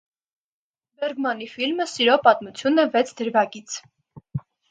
Բերգմանի ֆիլմը սիրո պատմություն է վեց դրվագից։